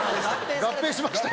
合併しました。